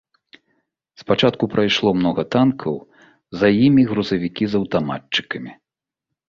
Спачатку прайшло многа танкаў, за імі грузавікі з аўтаматчыкамі.